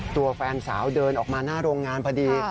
ตัวแฟนสาวเดินออกมาหน้าโรงงานพอดี